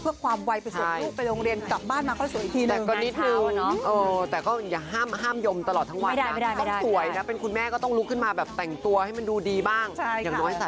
ล่าส่วนนี้เป็นให้ทุกอย่างแล้วนะ